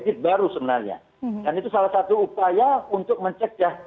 buat kami itu adalah sebuah habit baru sebenarnya dan itu salah satu upaya untuk mencegah